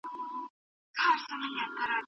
انسان د عمر په هر پړاو کي زده کړه کوي.